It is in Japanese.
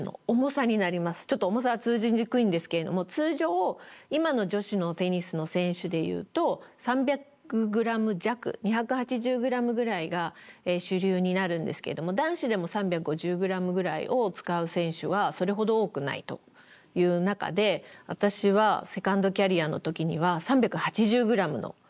ちょっと重さは通じにくいんですけれども通常今の女子のテニスの選手で言うと３００ｇ弱２８０ｇぐらいが主流になるんですけれども男子でも３５０ｇぐらいを使う選手はそれほど多くないという中で私はセカンドキャリアの時には３８０ｇのラケットを使っていました。